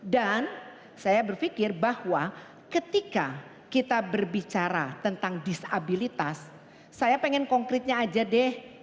dan saya berfikir bahwa ketika kita berbicara tentang disabilitas saya pengen konkretnya aja deh